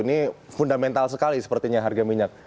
ini fundamental sekali sepertinya harga minyak